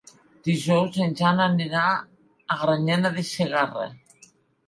Dijous en Jan anirà a Granyena de Segarra.